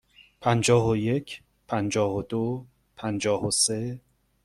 پنجاه و یک، پنجاه و دو، پنجاه و سه.